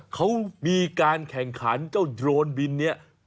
เขามีการแข่งขันเจ้าโดรนบินนี้